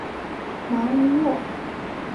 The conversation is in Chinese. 芒乌沃。